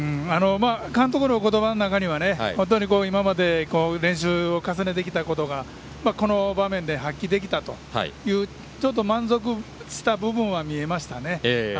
監督のことばの中には今まで練習を重ねてきたことがこの場面で発揮できたというちょっと満足した部分は見えましたね。